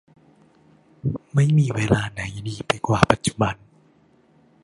ไม่มีเวลาไหนดีไปกว่าปัจจุบัน